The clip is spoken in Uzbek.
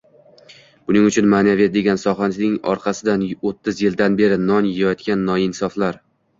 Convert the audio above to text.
Buning uchun ma’naviyat degan sohaning orqasidan o‘ttiz yildan beri non yeyotgan noinsoflar